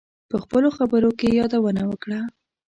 په خپلو خبرو کې یادونه وکړه.